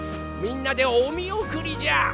みんなでおみおくりじゃ！